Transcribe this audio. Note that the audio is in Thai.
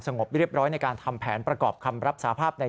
งบเรียบร้อยในการทำแผนประกอบคำรับสาภาพใน